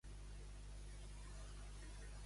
Conèixer-ne el flac.